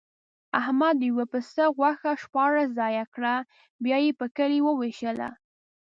احمد د یوه پسه غوښه شپاړس ځایه کړه، بیا یې په کلي ووېشله.